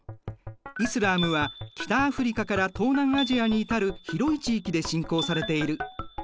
イスラームは北アフリカから東南アジアに至る広い地域で信仰されている。